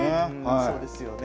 そうですよね。